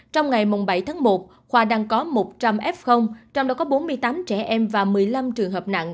trong ngày bảy tháng một khoa đang có một trăm linh f trong đó có bốn mươi tám trẻ em và một mươi năm trường hợp nặng